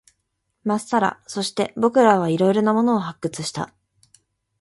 まっさら。そして、僕らは色々なものを発掘した。